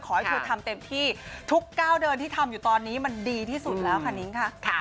ขอให้เธอทำเต็มที่ทุกก้าวเดินที่ทำอยู่ตอนนี้มันดีที่สุดแล้วค่ะนิ้งค่ะ